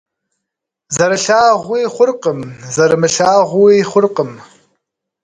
Зэрылъагъуи хъуркъым, зэрымылъагъууи хъуркъым.